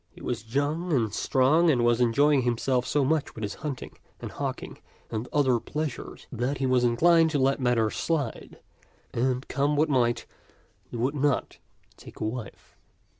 He was young and strong and was enjoying himself so much with his hunting and hawk ing and other pleasures that he was inclined to let matters slide, and come what might, he would not take a wife.